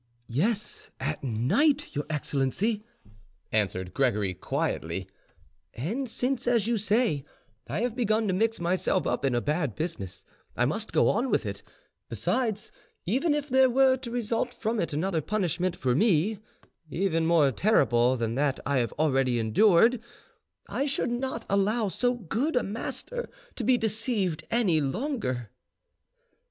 "Yes, at night, your excellency," answered Gregory quietly; "and since, as you say, I have begun to mix myself up in a bad business, I must go on with it; besides, even if there were to result from it another punishment for me, even more terrible than that I have already endured, I should not allow so good, a master to be deceived any longer."